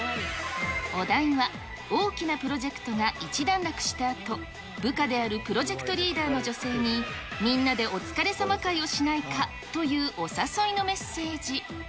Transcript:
お題は、大きなプロジェクトが一段落したあと、部下であるプロジェクトリーダーの女性に、みんなでお疲れさま会をしないかというお誘いのメッセージ。